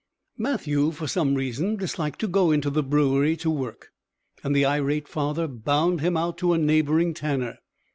Mathew, for some reason, disliked to go into the brewery to work, and the irate father bound him out to a neighboring tanner.